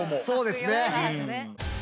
そうですね。